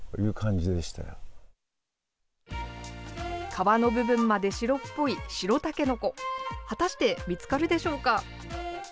皮の部分まで白っぽい白たけのこ、果たして見つかるでしょうか。